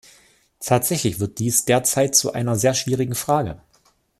Tatsächlich wird dies derzeit zu einer sehr schwierigen Frage.